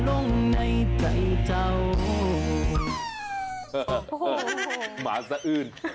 โอ้โฮหมาเซอิ่น